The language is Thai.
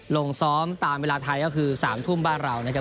ลงซ้อมตามเวลาไทยก็คือ๓ทุ่มบ้านเรานะครับ